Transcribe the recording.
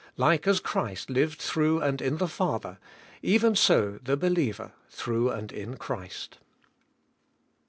Like as Christ lived through and in the Father, even so the believer through and in Christ.